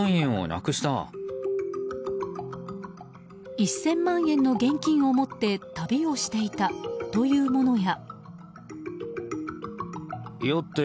１０００万円の現金を持って旅をしていたというものや。